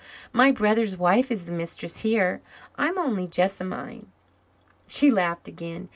My brother's wife is the mistress here. I'm only Jessamine." She laughed again.